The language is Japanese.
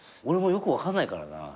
俺もよく分かんないからな